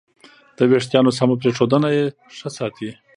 د وېښتیانو سمه پرېښودنه یې ښه ساتي.